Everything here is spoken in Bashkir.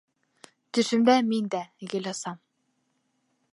Төшөмдә мин дә гел осам!